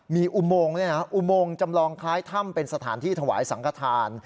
มีอุโมงด้วยนะอุโมงจำลองคล้ายถ้ำเป็นสถานที่ถวายสังขทาน